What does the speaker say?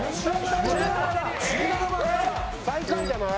最下位じゃない？